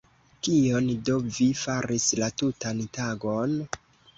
Kion do vi faris la tutan tagon?